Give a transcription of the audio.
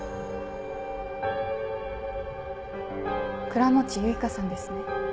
倉持結花さんですね？